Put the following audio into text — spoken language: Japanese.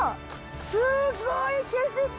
すごい景色！